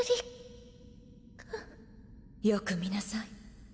よく見なさい。